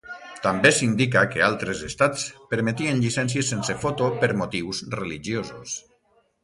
També s'indica que altres estats permetien llicències sense foto per motius religiosos.